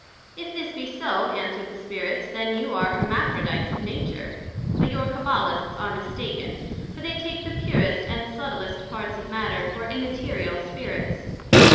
If this be so, answered the Spirits, then you are Hermaphrodites of Nature; but your Cabbalists are mistaken, for they take the purest and subtilest parts of Matter, for Immaterial Spirits.